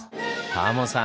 タモさん